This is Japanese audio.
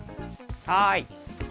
はい。